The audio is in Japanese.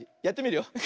やってみるよ。